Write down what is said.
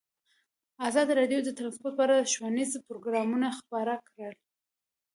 ازادي راډیو د ترانسپورټ په اړه ښوونیز پروګرامونه خپاره کړي.